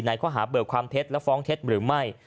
ข้อหาเบิกความเท็จและฟ้องเท็จหรือไม่